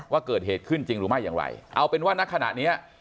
ว่าเกิดเหตุขึ้นจริงหรือไม่อย่างไรเอาเป็นว่าณขณะเนี้ย